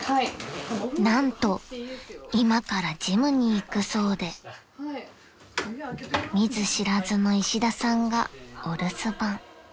［何と今からジムに行くそうで見ず知らずの石田さんがお留守番］